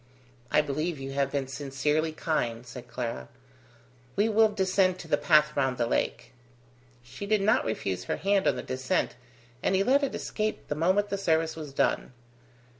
"I believe you have been sincerely kind," said Clara. "We will descend to the path round the lake." She did not refuse her hand on the descent, and he let it escape the moment the service was done.